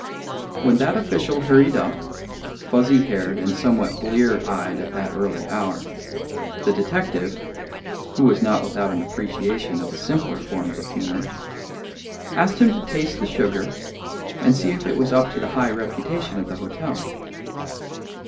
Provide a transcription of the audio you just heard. When that official hurried up, fuzzy haired and somewhat blear eyed at that early hour, the detective (who was not without an appreciation of the simpler forms of humour) asked him to taste the sugar and see if it was up to the high reputation of the hotel.